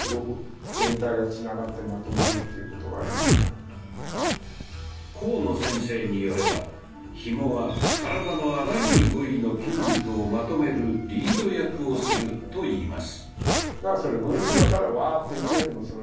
自由になる甲野先生によればひもは体のあらゆる部位の筋肉をまとめるリード役をするといいます。